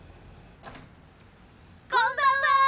こんばんは！